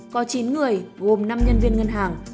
có chín người gồm năm nhân viên ngân hàng